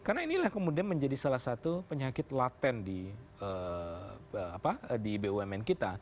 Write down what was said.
karena inilah kemudian menjadi salah satu penyakit lain